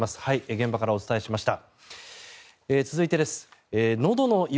現場からお伝えしました。